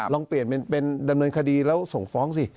ลองเปลี่ยนเป็นดำเนินคดีแล้วส่งฟ้องสิ